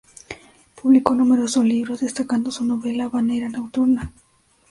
Publicó numerosos libros, destacando su novela "Habanera nocturna".